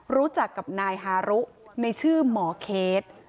รู้จักกับนายฮารุในชื่อหมอเคส